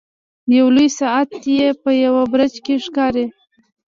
یو لوی ساعت یې په یوه برج کې ښکاري.